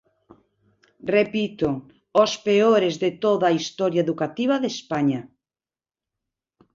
Repito: os peores de toda a historia educativa de España.